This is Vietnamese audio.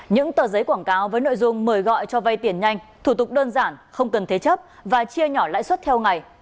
những tờ giấy quảng cáo với nội dung mời gọi cho vay tiền nhanh thủ tục đơn giản không cần thế chấp và chia nhỏ lãi suất theo ngày